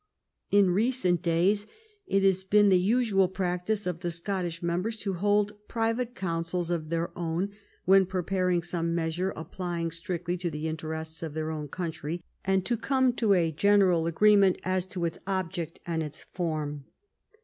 In recent days it has been the usual practice of the Scottish members to hold private councils of their own when preparing some measure applying strictly to the interests of their own country, and to come to a general agreement as to its object and its form.